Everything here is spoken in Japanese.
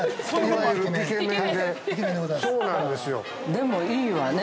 でも、いいわね。